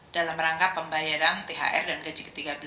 dalam rangka pembayaran thr dan gaji ke tiga belas